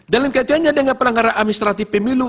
dalam kaitannya dengan pelanggaran administratif pemilu